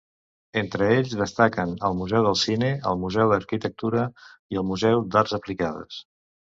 Entre ells destaquen el Museu del Cine, el Museu d'Arquitectura i el Museu d'Arts Aplicades.